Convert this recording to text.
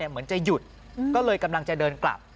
เหมือนจะหยุดก็เลยกำลังจะเดินกลับ